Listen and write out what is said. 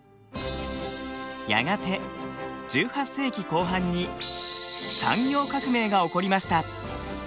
やがて１８世紀後半に産業革命が起こりました。